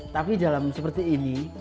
tapi dalam seperti ini